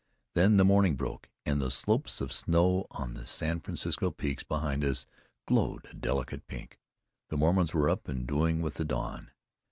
Then the morning broke, and the slopes of snow on the San Francisco peaks behind us glowed a delicate pink. The Mormons were up and doing with the dawn.